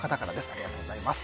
ありがとうございます。